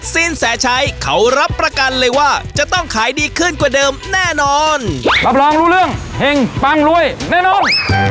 สินแสชัยเขารับประกันเลยว่าจะต้องขายดีขึ้นกว่าเดิมแน่นอนรับรองรู้เรื่องเห็งปังรวยแน่นอน